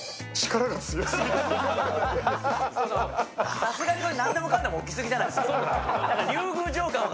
さすがに何でもかんでも置き過ぎじゃないですか。